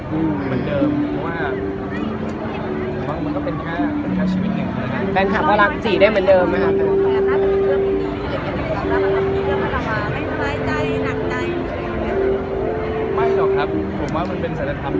เหมือนเดิมเพราะว่ามันก็เป็นค่าชีวิตอย่างนั้นนะครับ